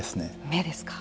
目ですか。